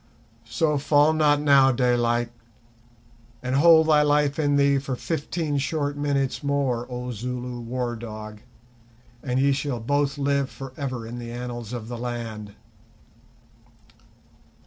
So, fall not now, Daylight, and hold thy life in thee for fifteen short minutes more, old Zulu war dog, and ye shall both live for ever in the annals of the land.